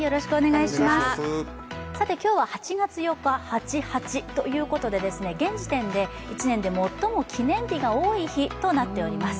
今日は８月８日、ハチハチということで現時点で１年で最も記念日が多い日となっております。